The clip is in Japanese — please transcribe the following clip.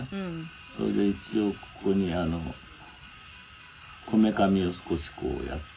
「それで一応ここにあのこめかみを少しこうやって」